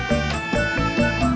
tati disuruh nyiram